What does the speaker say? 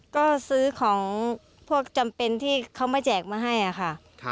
ก็ซื้อของพวกจำเป็นที่เขามาแจกมาให้ค่ะ